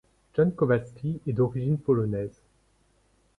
John Kowalski est d'origine polonaise.